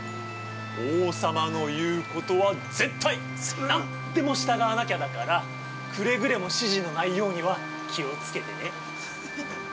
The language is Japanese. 王様の言うことは絶対、何でも従わなきゃだから、くれぐれも指示の内容には気をつけてね。